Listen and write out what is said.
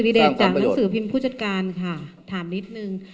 สุภังศิษย์สิริเดชจากนักสือพิมพ์ผู้จัดการค่ะถามนิดหนึ่ง